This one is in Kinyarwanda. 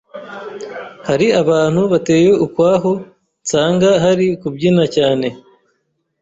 hari abantu bateye ukwaho nsanga bari kubyina cyane